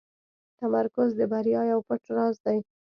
تمرکز د بریا یو پټ راز دی.